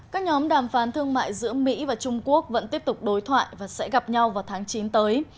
các nhóm đàm phán thương mại giữa mỹ và trung quốc vẫn tiếp tục đối thoại và sẽ gặp nhau vào tháng chín tới